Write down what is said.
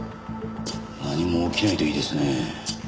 何も起きないといいですね。